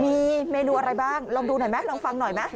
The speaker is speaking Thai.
มีเมนูอะไรบ้างลองดูหน่อยไหมลองฟังหน่อยไหม